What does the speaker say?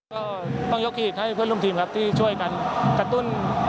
ก็ต้องยกขีดให้เพื่อนร่วมทีมครับที่ช่วยกันกระตุ้น